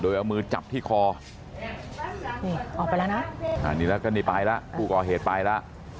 โดยเอามือจับที่คอเฮ้ออกไปละนะก็เลยไปละคู่ก่อเหตุไปละ